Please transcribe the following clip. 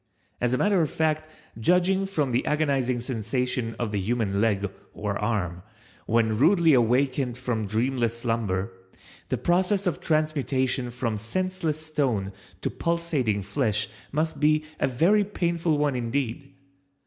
As a matter of fact, judging from the agonizing sensation of the human leg (or arm) when rudely awakened from dreamless slumber, the process of transmutation from senseless stone to pulsating flesh must be a very painful one indeed.